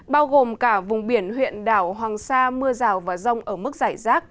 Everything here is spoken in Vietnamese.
bao gồm cả vùng biển huyện đảo hoàng sa mưa rào và rông ở mức giải rác